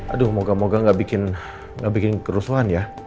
aduh moga moga gak bikin kerusuhan ya